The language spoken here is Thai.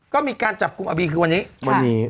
ก็มีการจับกลุ่มอาบีคือวันนี้วันนี้